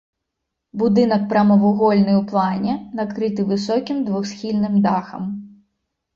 Будынак прамавугольны ў плане, накрыты высокім двухсхільным дахам.